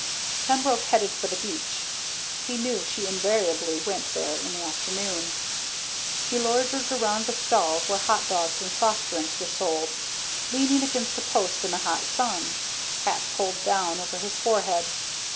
Pembroke headed for the beach. He knew she invariably went there in the afternoon. He loitered around the stalls where hot dogs and soft drinks were sold, leaning against a post in the hot sun, hat pulled down over his forehead.